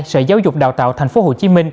sở giáo dục đào tạo tp hcm